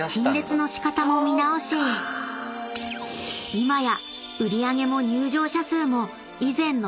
［今や］